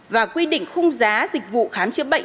và quy định khung giá dịch vụ khám chữa bệnh